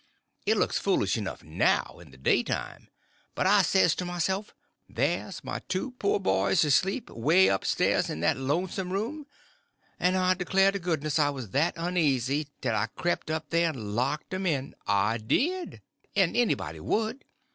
It looks foolish enough now, in the daytime; but I says to myself, there's my two poor boys asleep, 'way up stairs in that lonesome room, and I declare to goodness I was that uneasy 't I crep' up there and locked 'em in! I did. And anybody would.